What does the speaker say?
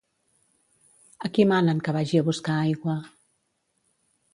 A qui manen que vagi a buscar aigua?